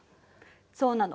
そうなの。